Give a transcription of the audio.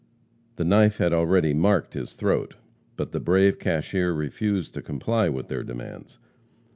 The knife had already marked his throat, but the brave cashier refused to comply with their demands.